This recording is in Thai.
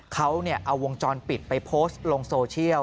เขาเอาวงจรปิดไปโพสต์ลงโซเชียล